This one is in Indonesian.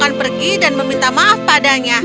kami akan pergi dan meminta maaf padanya